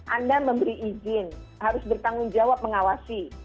anda memberi izin harus bertanggung jawab mengawasi